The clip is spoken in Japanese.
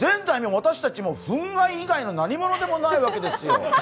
私たち、憤慨以外の何物でもないわけですよ。